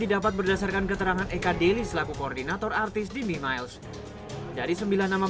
didapat berdasarkan keterangan eka deli selaku koordinator artis di mimiles dari sembilan nama